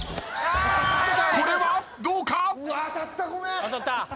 ［これはどうか？］